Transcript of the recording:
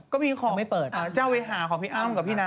ก็มีของเจ้าเวหาของพี่อ้าวน์กับพี่น้า